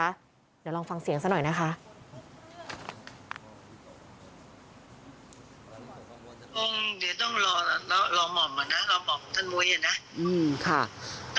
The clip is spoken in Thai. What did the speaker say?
เดี๋ยวลองฟังเสียงซะหน่อยนะคะ